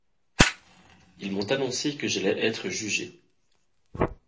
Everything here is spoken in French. Ils m’ont annoncé que j’allais être jugé.